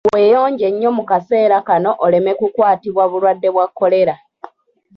Weeyonje nnyo mu kaseera kano oleme kukwatibwa bulwadde bwa kolera